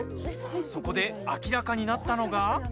そこで明らかになったのが。